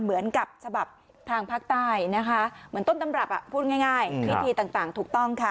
เหมือนกับฉบับทางภาคใต้นะคะเหมือนต้นตำรับอ่ะพูดง่ายพิธีต่างถูกต้องค่ะ